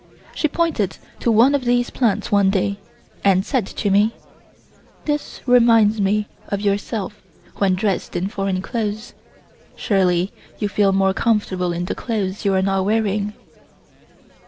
She pointed to one of these plants one day, and said to me: "This reminds me of yourself when dressed in foreign clothes. Surely you feel more comfortable in the clothes you are now wearing."